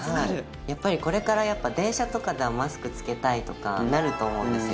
やっぱりこれから電車とかではマスク着けたいとかなると思うんですよ